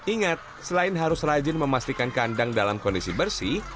ingat selain harus rajin memastikan kandang dalam kondisi bersih